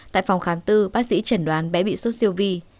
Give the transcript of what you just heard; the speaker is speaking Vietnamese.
tại phòng khám tư bác sĩ chẩn đoán bé bị sốt siêu vi